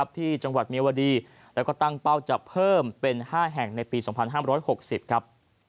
ที่จังหวัดเมียวดีแล้วก็ตั้งเป้าจะเพิ่มเป็น๕แห่งในปี๒๕๖๐ครับ